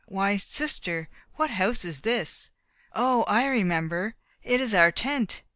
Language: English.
Why, sister what house is this! O, I remember, it is our tent."